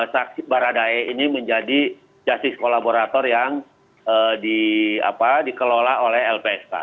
saksi baradae ini menjadi justice kolaborator yang dikelola oleh lpsk